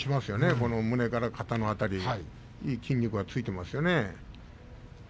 この胸から肩の辺りいい筋肉がついていますよね。